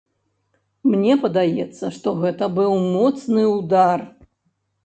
Мне падаецца, што гэта быў моцны ўдар.